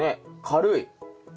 軽い。